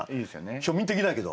庶民的だけど。